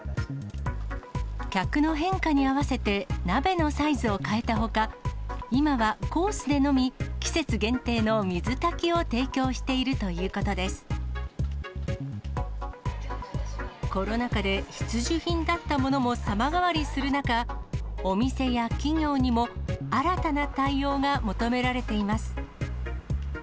客の変化に合わせて、鍋のサイズを変えたほか、今はコースでのみ、季節限定の水炊きを提供しているということでコロナ禍で必需品だったものも様変わりする中、お店や企業にも新たな対応が求められています。